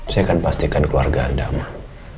saya akan pastikan keluarga anda aman